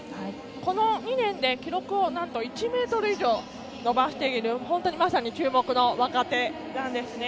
この２年で記録を、なんと１ｍ以上、伸ばしているまさに注目の若手なんですね。